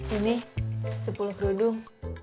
ini sepuluh kerudung